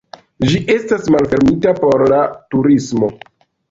Ĝi estas malfermita por la turismo.